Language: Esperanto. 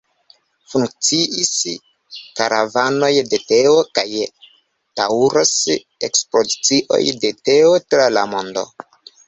Funkciis karavanoj de teo, kaj daŭras ekspozicioj de teo tra la mondo.